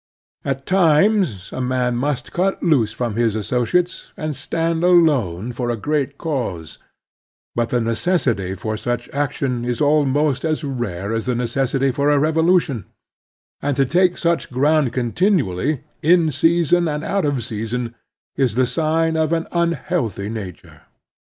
At times a man must cut loose from his associates, and stand alone for a great cause ; but the necessity for such action is almost as rare as the necessity for a revolution; and to take such ground con tinually, in season and out of season, is the sign of an unhealthy nature.